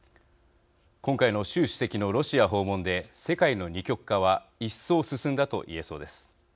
今回の習主席のロシア訪問で世界の二極化は一層、進んだと言えそうです。